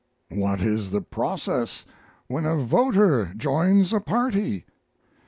What is the process when a voter joins a party?